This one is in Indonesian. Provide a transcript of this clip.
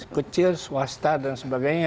kecil swasta dan sebagainya